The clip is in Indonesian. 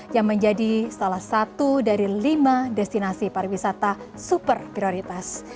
yang menjadi salah satu dari lima destinasi pariwisata super prioritas